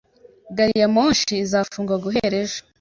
Gariyamoshi izafungwa guhera ejo